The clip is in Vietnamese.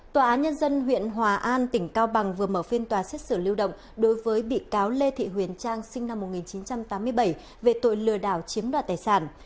tòa án nhân dân huyện hòa an tỉnh cao bằng vừa mở phiên tòa xét xử lưu động đối với bị cáo lê thị huyền trang sinh năm một nghìn chín trăm tám mươi bảy về tội lừa đảo chiếm đoạt tài sản